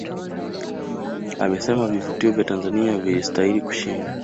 Amesema vivutio vya Tanzania vilistahili kushinda